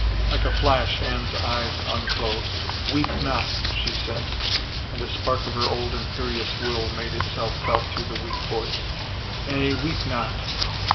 Like a flash Anne's eyes unclosed. "Weep not," she said, and a spark of her old imperious will made itself felt through the weak voice. " Nay, weep not.